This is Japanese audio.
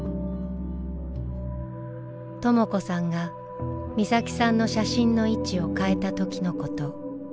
とも子さんが美咲さんの写真の位置を変えた時のこと。